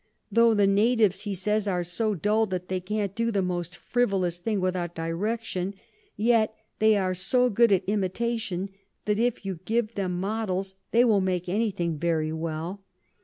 Tho the Natives, he says, are so dull that they can't do the most frivolous thing without direction, yet they are so good at Imitation, that if you give them Models, they will make any thing very well.